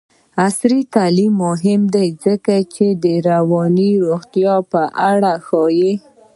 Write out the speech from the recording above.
عصري تعلیم مهم دی ځکه چې د رواني روغتیا په اړه ښيي.